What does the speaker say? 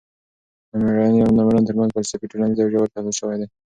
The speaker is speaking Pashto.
نامېړتیا او مېړانې ترمنځ فلسفي، ټولنیز او ژور تحلیل شوی دی.